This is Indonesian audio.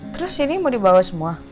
terus ini mau dibawa semua